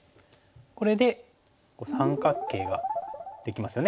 これで三角形ができますよね。